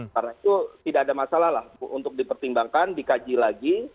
karena itu tidak ada masalah lah untuk dipertimbangkan dikaji lagi